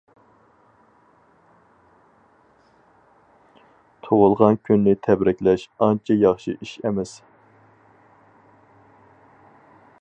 تۇغۇلغان كۈننى تەبرىكلەش ئانچە ياخشى ئىش ئەمەس!